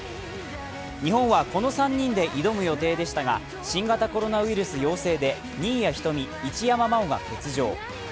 日本はこの３人で挑む予定でしたが新型コロナウイルス陽性で新谷仁美、一山麻緒が欠場。